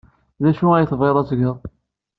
D acu ay tebɣiḍ ad t-tgeḍ?